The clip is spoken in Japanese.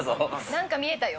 なんか見えたよ。